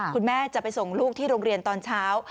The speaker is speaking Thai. คุณแม่จะไปส่งลูกที่โรงเรียนตอนเช้า